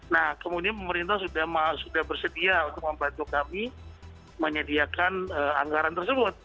nah kemudian pemerintah sudah bersedia untuk membantu kami menyediakan anggaran tersebut